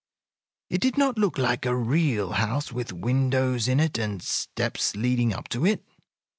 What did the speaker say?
It did not look like a real house, with windows in it and steps leading up to it.